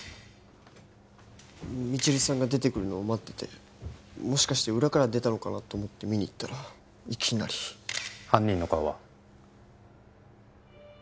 未知留さんが出てくるのを待っててもしかして裏から出たのかなと思って見に行ったらいきなり犯人の顔は？